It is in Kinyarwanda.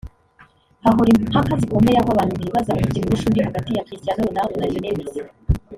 hahora impaka zikomeye aho abantu bibaza umukinnyi urusha undi hagati ya Cristiano Ronaldo na Lionel Messi